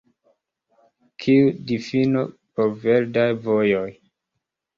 Kiu difino por verdaj vojoj?